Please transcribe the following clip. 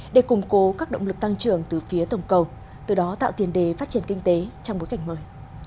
để củng cố các động lực tăng trưởng từ phía tổng cầu từ đó tạo tiền đề phát triển kinh tế trong bối cảnh mới